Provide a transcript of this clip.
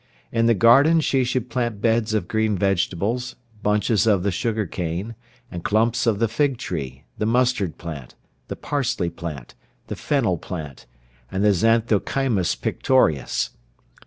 In the garden she should plant beds of green vegetables, bunches of the sugar cane, and clumps of the fig tree, the mustard plant, the parsley plant, the fennel plant, and the xanthochymus pictorius.